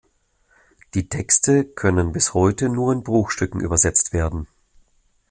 Die Texte können bis heute nur in Bruchstücken übersetzt werden.